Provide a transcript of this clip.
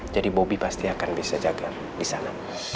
jadi bobi pasti akan bisa jaga di sana